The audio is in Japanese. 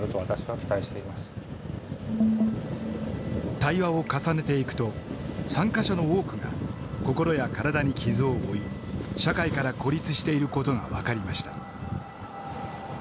対話を重ねていくと参加者の多くが心や体に傷を負い社会から孤立していることが分かりました。